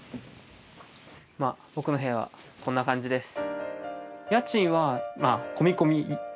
まあ僕の部屋はこんな感じです。